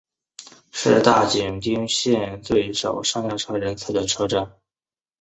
是大井町线最少上下车人次的车站。